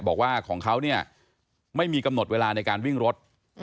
บอกว่าของเขาเนี่ยไม่มีกำหนดเวลาในการวิ่งรถ